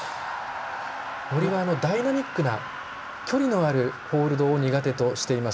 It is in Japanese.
森はダイナミックな距離のあるホールドを苦手としています。